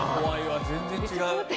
怖いわ全然違う。